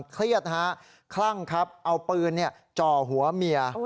เครียดขลั่งเอาปืนเจาะหัวเมีย